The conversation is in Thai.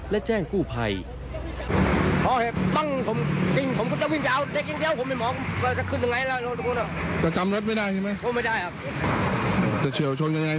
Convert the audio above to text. และแจ้งกู้ภัย